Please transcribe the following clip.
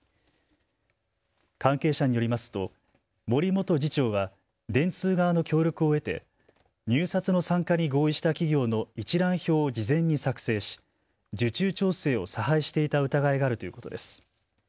関係者によりますと森元次長は電通側の協力を得て入札の参加に合意した企業の一覧表を事前に作成し、受注調整を差配していた疑いがあるということです。